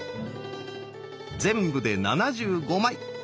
全部で７５枚。